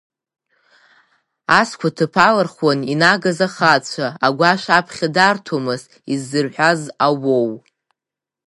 Азқәаҭыԥ алырхуан инагаз Ахацәа, агәашә аԥхьа дарҭомызт иззырҳәаз Ауоу.